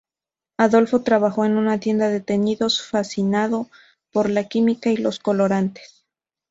Adolfo trabajó en una tienda de teñidos, fascinado por la química y los colorantes.